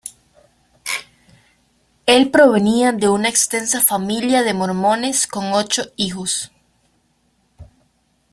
El provenía de una extensa familia de mormones con ocho hijos.